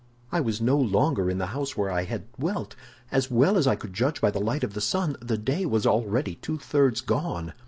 I was no longer in the house where I had dwelt. As well as I could judge by the light of the sun, the day was already two thirds gone.